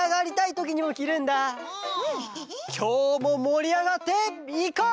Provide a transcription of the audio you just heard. きょうももりあがっていこう！